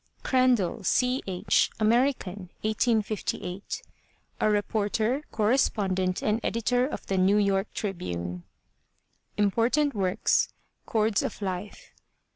CRANDALL, C. H. (American, 1858 ) A reporter, correspondent and editor of The New York Tribune. Important Works: Chords of Life.